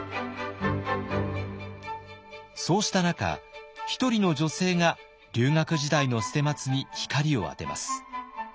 そうした中一人の女性が留学時代の捨松に光を当てます。